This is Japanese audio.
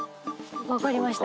分かりました。